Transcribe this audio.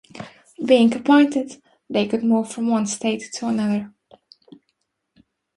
Being appointed, they could move from one state to another.